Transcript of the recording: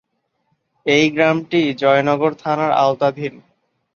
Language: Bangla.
এই গ্রামটি জয়নগর থানার আওতাধীন।